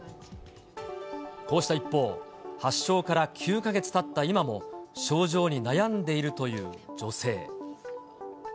こうした一方、発症から９か月たった今も、症状に悩んでいるという女性。